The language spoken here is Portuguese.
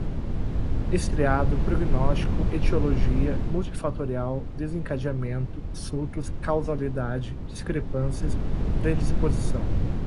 estriado, prognóstico, etiologia, multifatorial, desencadeamento, surtos, causalidade, discrepâncias, predisposição